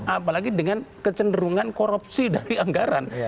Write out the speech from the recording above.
apalagi dengan kecenderungan korupsi dari anggaran